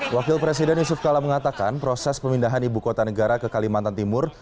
wakil presiden yusuf kala mengatakan proses pemindahan ibu kota negara ke kalimantan timur